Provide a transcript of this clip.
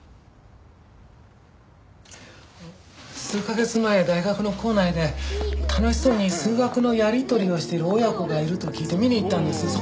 数カ月前大学の構内で楽しそうに数学のやり取りをしている親子がいると聞いて見に行ったんです。